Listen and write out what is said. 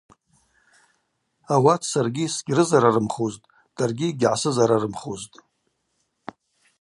Ауат саргьи сгьрызарарымхузтӏ даргьи гьгӏасызарарымхузтӏ.